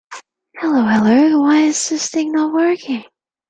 Hello hello. Why is this thing not working?